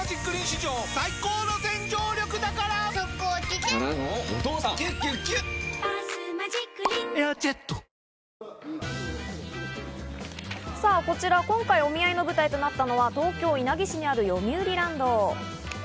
２日間で２７組がこちら、今回お見合いの舞台となったのは、東京・稲城市にあるよみうりランド。